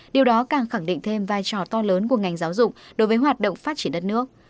điều đó càng khẳng định thêm vai trò to lớn của ngành giáo dục đối với hoạt động phát triển đất nước